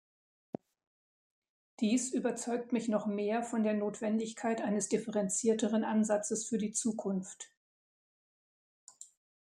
Dies überzeugt mich noch mehr von der Notwendigkeit eines differenzierteren Ansatzes für die Zukunft.